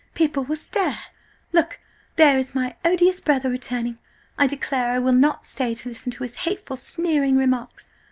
People will stare–look, there is my odious brother returning! I declare I will not stay to listen to his hateful, sneering remarks!